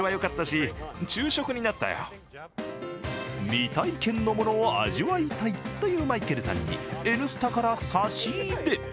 未体験のものを味わいたいというマイケルさんに「Ｎスタ」から差し入れ。